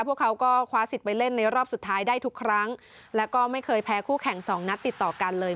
พวกเขาก็คว้าสิทธิ์ไปเล่นในรอบสุดท้ายได้ทุกครั้งแล้วก็ไม่เคยแพ้คู่แข่งสองนัดติดต่อกันเลย